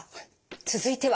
続いては？